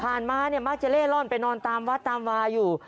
อ๋อผ่านมานี่มักจะเล่ล่อนไปนอนตามวัดตามวาอยู่